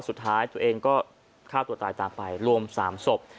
สุดท้ายตัวเองก็ฆ่าตัวตายตามไปรวม๓ศพ